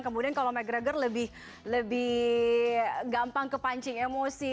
kemudian kalau mcgregor lebih gampang kepancing emosi